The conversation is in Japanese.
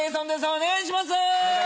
お願いいたします。